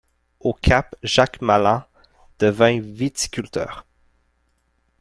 Au Cap, Jacques Malan devint viticulteur.